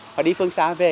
họ đi phương xa về